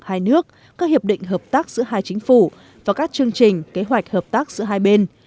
hai nước các hiệp định hợp tác giữa hai chính phủ và các chương trình kế hoạch hợp tác giữa hai bên